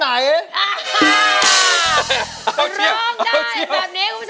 อ้าพิสูจน์แล้ว